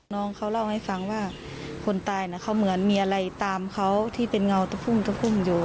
น้องเขาเล่าให้ฟังว่าคนตายเขาเหมือนมีอะไรตามเขาที่เป็นเงาตะพุ่มตะพุ่มอยู่